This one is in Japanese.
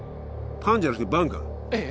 パンじゃなくてヴァンかええ